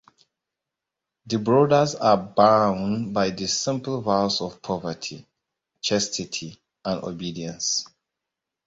The brothers are bound by the simple vows of poverty, chastity, and obedience.